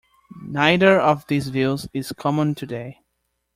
Neither of these views is common today.